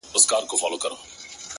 د اوښکو ټول څاڅکي دي ټول راټول کړه _